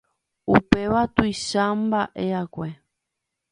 Upéva tuichamba'e'akue.